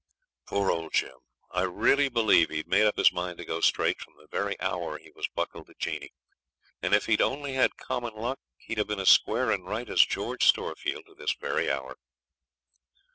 Poor old Jim! I really believe he'd made up his mind to go straight from the very hour he was buckled to Jeanie; and if he'd only had common luck he'd have been as square and right as George Storefield to this very hour.